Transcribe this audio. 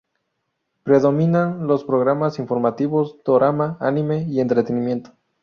Predominan los programas informativos, dorama, anime y entretenimiento.